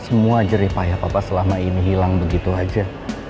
semua jeripaya papa selama ini hilang begitu aja